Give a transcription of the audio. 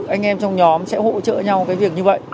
anh em trong nhóm sẽ hỗ trợ nhau cái việc như vậy